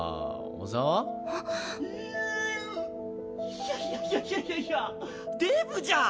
・いやいやいやいやいやいやデブじゃん！